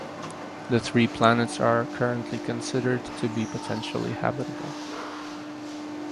The three planets are currently considered to be potentially habitable.